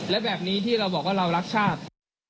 และแบบนี้ที่เราบอกว่าเรารักชาติ